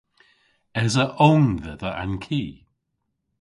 Esa own dhedha a'n ki?